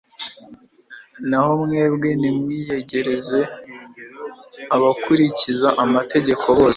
naho mwebwe, nimwiyegereze abakurikiza amategeko bose